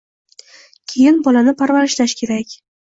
Keyin bolani parvarishlash kerak